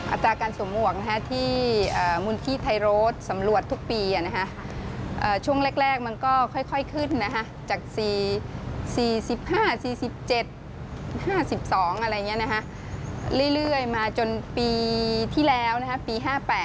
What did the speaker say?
อัตราการสวมห่วงที่มูลที่ไทยโรดสำรวจทุกปีช่วงแรกมันก็ค่อยขึ้นจาก๔๕๔๗๕๒อะไรอย่างนี้เรื่อยมาจนปีที่แล้วปี๕๘